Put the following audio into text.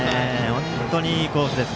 本当にいいコースです。